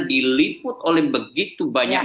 diliput oleh begitu banyak